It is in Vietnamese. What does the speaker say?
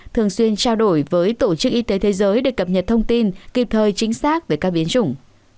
thường xuyên trao đổi với tổ chức y tế thế giới để cập nhật thông tin kịp thời chính xác về các biến chủng